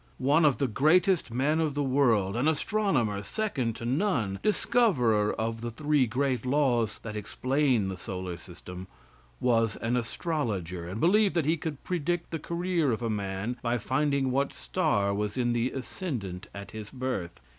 One of the greatest men of the world, an astronomer second to none, discoverer of the three great laws that explain the solar system, was an astrologer and believed that he could predict the career of a man by finding what star was in the ascendant at his birth.